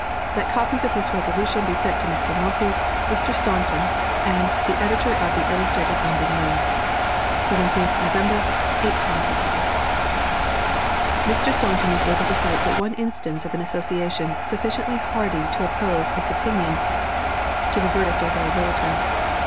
"That copies of this resolution be sent to Mr. Morphy, Mr. Staunton, and the editor of the Illustrated London News." 17th November, 1858. Mr. Staunton was able to cite but one instance of an association sufficiently hardy to oppose its opinion to the verdict of Lord Lyttelton.